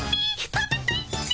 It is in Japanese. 食べたいっピ。